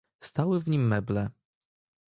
"Stały w nim meble."